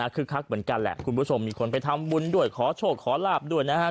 คือคักเหมือนกันแหละคุณผู้ชมมีคนไปทำบุญด้วยขอโชคขอลาบด้วยนะครับ